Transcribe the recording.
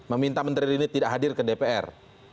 meminta menteri rini tidak hadir ke dpr